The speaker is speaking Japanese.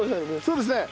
そうですね。